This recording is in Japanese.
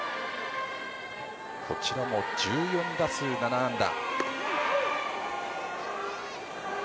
こちらも１４打数７安打。